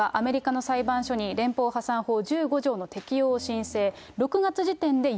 ８月にはアメリカの裁判所に連邦破産法１５条の適用を申請。